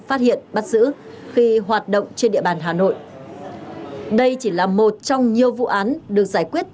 phát hiện bắt giữ khi hoạt động trên địa bàn hà nội đây chỉ là một trong nhiều vụ án được giải quyết